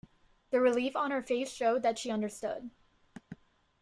The relief on her face showed that she understood.